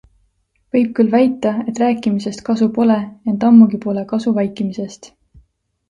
Võib küll väita, et rääkimisest kasu pole, ent ammugi pole kasu vaikimisest.